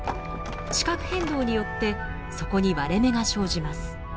地殻変動によってそこに割れ目が生じます。